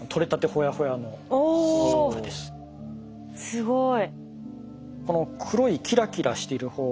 すごい。